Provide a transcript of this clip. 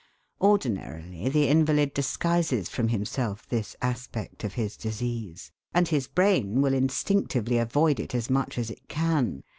Ordinarily the invalid disguises from himself this aspect of his disease, and his brain will instinctively avoid it as much as it can.